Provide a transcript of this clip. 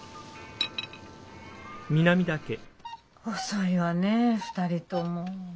遅いわねえ２人とも。